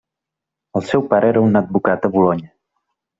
El seu pare era un advocat a Bolonya.